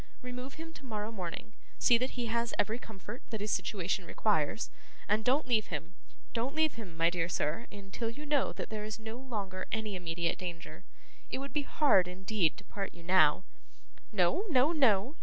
Remove him tomorrow morning, see that he has every comfort that his situation requires, and don't leave him; don't leave him, my dear sir, until you know that there is no longer any immediate danger. It would be hard, indeed, to part you now. No, no, no!